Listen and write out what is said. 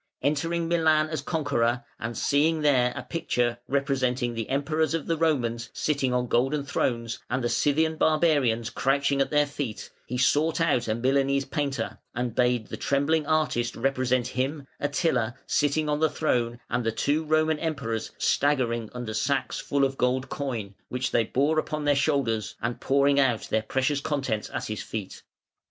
Entering Milan as a conqueror, and seeing there a picture representing the Emperors of the Romans sitting on golden thrones, and the Scythian barbarians crouching at their feet, he sought out a Milanese painter, and bade the trembling artist represent him, Attila, sitting on the throne, and the two Roman Emperors staggering under sacks full of gold coin, which they bore upon their shoulders, and pouring out their precious contents at his feet.